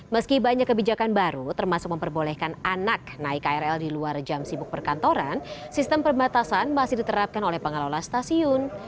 meski banyak kebijakan baru termasuk memperbolehkan anak naik krl di luar jam sibuk perkantoran sistem perbatasan masih diterapkan oleh pengelola stasiun